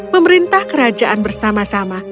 memerintah kerajaan bersama sama